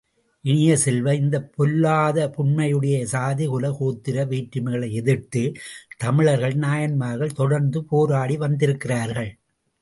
இனிய செல்வ, இந்தப் பொல்லாதபுன்மையுடைய சாதி, குல, கோத்திர வேற்றுமைகளை எதிர்த்துத் தமிழர்கள் நாயன்மார்கள் தொடர்ந்து போராடி வந்திருக்கிறார்கள்.